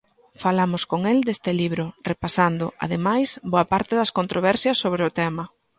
Falamos con el deste libro, repasando, ademais, boa parte das controversias sobre o tema.